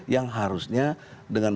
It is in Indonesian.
yang harusnya dengan